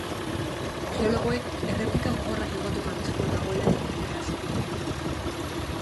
Geologoek erreplika gogorrak egoteko arriskua dagoela jakinarazi dute.